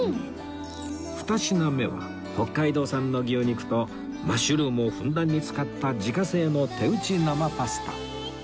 ２品目は北海道産の牛肉とマッシュルームをふんだんに使った自家製の手打ち生パスタ